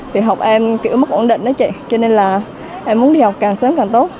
vì học em mất ổn định cho nên em muốn đi học càng sớm càng tốt